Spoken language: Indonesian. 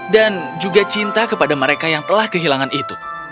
dan juga cinta kepada mereka yang telah kehilangan itu